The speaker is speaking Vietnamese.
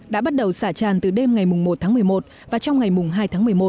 đã bắt đầu xả tràn từ đêm ngày một tháng một mươi một và trong ngày hai tháng một mươi một